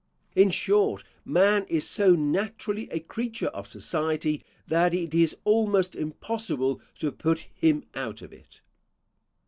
In short, man is so naturally a creature of society that it is almost impossible to put him out of it.